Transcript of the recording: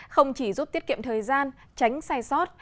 không chỉ giúp tiết kiệm thời gian tránh sai sót